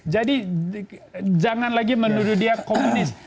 jadi jangan lagi menuduh dia komunis